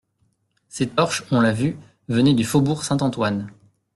Ces torches, on l'a vu, venaient du faubourg Saint-Antoine.